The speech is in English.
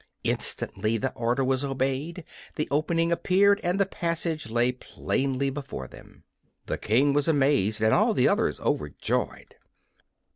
Instantly the order was obeyed; the opening appeared and the passage lay plainly before them. The King was amazed, and all the others overjoyed.